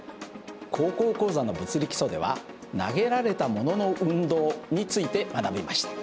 「高校講座」の「物理基礎」では投げられたものの運動について学びました。